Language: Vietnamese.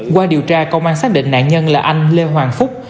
qua điều tra công an xác định nạn nhân là anh lê hoàng phúc